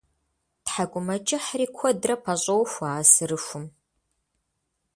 Тхьэкӏумэкӏыхьри куэдрэ пэщӏохуэ а сырыхум.